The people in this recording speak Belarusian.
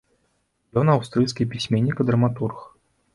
Ён аўстрыйскі пісьменнік і драматург.